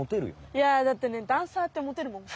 いやだってねダンサーってモテるもん。